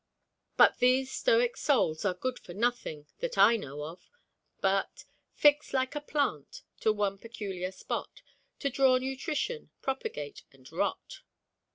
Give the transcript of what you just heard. But these stoic souls are good for nothing, that I know of, but, "Fixed, like a plant, to one peculiar spot, To draw nutrition, propagate, and rot."